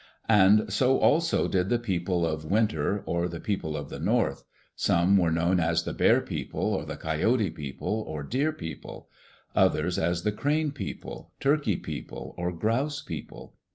And so also did the People of Winter, or the People of the North. Some were known as the Bear people, or the Coyote people, or Deer people; others as the Crane people, Turkey people, or Grouse people.